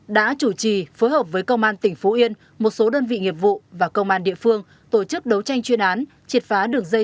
và công an tỉnh phú yên về thành tích đấu tranh chuyên án triệt phá đường dây